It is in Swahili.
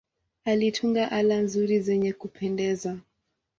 Alitunga ala nzuri zenye kupendeza.